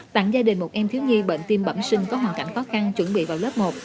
tặng gia đình một em thiếu nhi bệnh tim bẩm sinh có hoàn cảnh khó khăn chuẩn bị vào lớp một